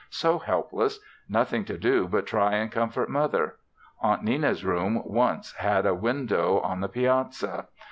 So helpless; nothing to do but try and comfort Mother! Aunt Nenna's room once had a window on the piazza.